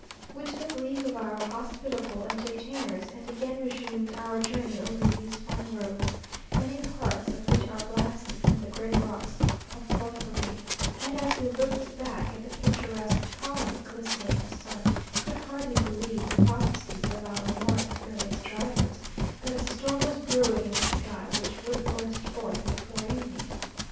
We took leave of our hospitable entertainers, and again resumed our journey over these fine roads, many parts of which are blasted from the great rocks of porphyry; and as we looked back at the picturesque colony glistening in the sun, could hardly believe the prophecies of our more experienced drivers, that a storm was brewing in the sky, which would burst forth before evening.